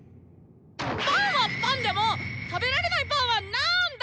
パンはパンでも食べられないパンはなんだ？